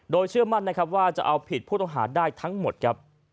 โดยเชื่อมั่นนะครับว่าจะเอาผิดผู้ต้องหาได้ทั้งหมดครับ